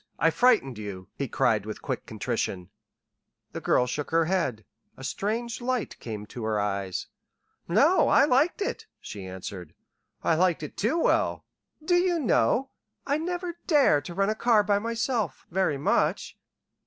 I frightened you," he cried with quick contrition. The girl shook her head. A strange light came to her eyes. "No; I liked it," she answered. "I liked it too well. Do you know? I never dare to run a car by myself very much.